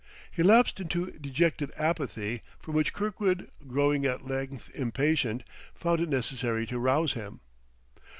He lapsed into dejected apathy, from which Kirkwood, growing at length impatient, found it necessary to rouse him.